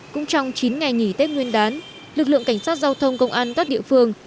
cũng trong chín ngày nghỉ tết nguyên đán lực lượng cảnh sát giao thông công an các địa phương